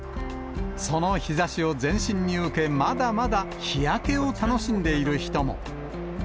その日ざしを全身に受け、まだまだ日焼けを楽しんでいる人も。